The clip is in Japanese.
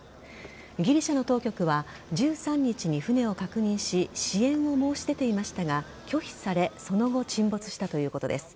ギリシャの当局は１３日に船を確認し支援を申し出ていましたが拒否されその後、沈没したということです。